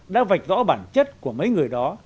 đã vạch rõ bản chất của mấy người đó